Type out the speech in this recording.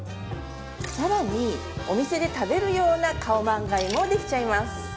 さらにお店で食べるようなカオマンガイもできちゃいます！